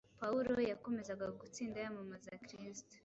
Pawulo yakomezaga gutsinda yamamaza Kristo